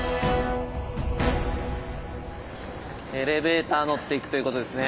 エレベーター乗っていくということですね。